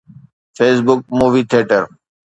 Facebook movie theatre